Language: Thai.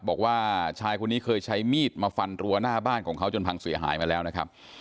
บอกว่าชายคนนี้เคยใช้มีดมาฟันรั้วหน้าบ้านของเขาจนพังเสียหายมาแล้วนะครับ